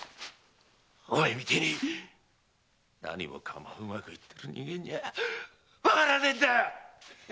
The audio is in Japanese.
お前みたいに何もかもうまくいってる人間にはわからねえんだよ！